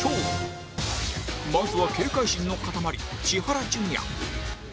まずは警戒心の塊千原ジュニア